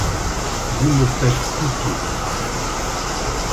vous me faites pitié !